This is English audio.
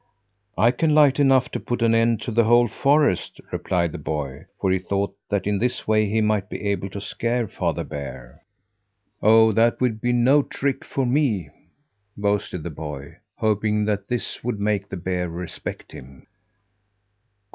"I can light enough to put an end to the whole forest," replied the boy, for he thought that in this way he might be able to scare Father Bear. "Oh, that would be no trick for me!" boasted the boy, hoping that this would make the bear respect him.